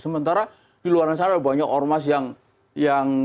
sementara di luar sana ada banyak ormas yang